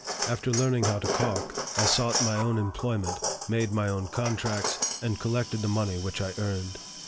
After learning how to calk, I sought my own employment, made my own contracts, and collected the money which I earned.